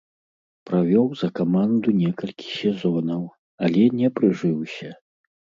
Правёў за каманду некалькі сезонаў, але не прыжыўся.